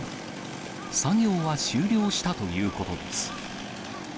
作業は終了したということです。